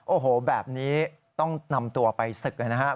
โอ้โหแบบนี้ต้องนำตัวไปศึกเลยนะครับ